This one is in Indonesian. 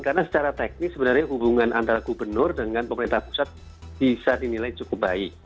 karena secara teknis sebenarnya hubungan antara gubernur dengan pemerintah pusat bisa dinilai cukup baik